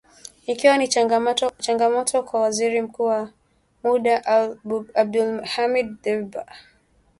Ikiwa ni changamoto kwa Waziri Mkuu wa muda Abdulhamid Dbeibah